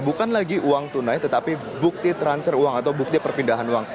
bukan lagi uang tunai tetapi bukti transfer uang atau bukti perpindahan uang